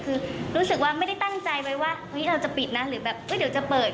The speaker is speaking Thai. คือรู้สึกว่าไม่ได้ตั้งใจไว้ว่าเราจะปิดนะหรือแบบเดี๋ยวจะเปิด